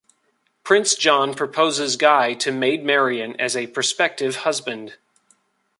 Prince John proposes Guy to Maid Marian as a prospective husband.